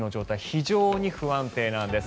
非常に不安定なんです。